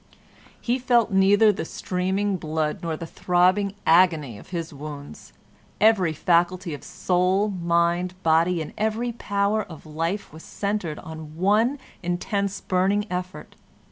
He felt neither the streaming blood nor the throbbing agony of his wounds; every faculty of soul, mind, body, every power of life, was centered in one intense, burning effort.